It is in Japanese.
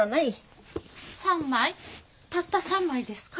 たった３枚ですか？